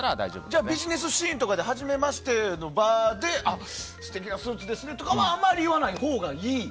じゃあビジネスシーンとかではじめましての場で素敵なスーツですねとかはあまり言わないほうがいい？